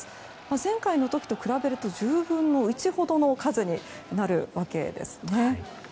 前回の時と比べると１０分の１ほどの数になるわけですね。